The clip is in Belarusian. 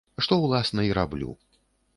Што, уласна, і раблю.